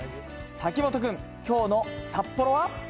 嵜本君、きょうの札幌は？